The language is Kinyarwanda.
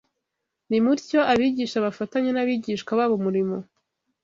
Nimutyo abigisha bafatanye n’abigishwa babo umurimo